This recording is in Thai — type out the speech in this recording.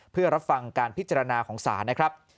เพื่อรับฟังการพิจารณาของศาลนะครับ